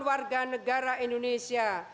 warga negara indonesia